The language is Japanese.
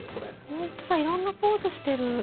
本当だいろんなポーズしてる。